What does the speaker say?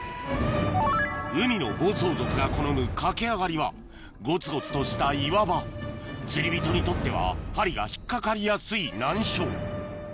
海の暴走族が好むかけあがりはゴツゴツとした岩場釣り人にとっては針が引っ掛かりやすい難所